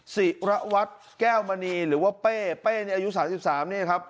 สิระวัตแก้วมณีหรือว่าเป้เป้ในอายุสามสิบสามนี่ครับ